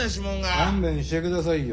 勘弁して下さいよ。